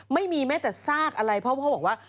ไม่มีแม้แต่ซากอะไรเพราะพ่อบอกว่า